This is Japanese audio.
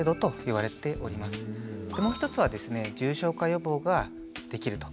もう一つはですね重症化予防ができると。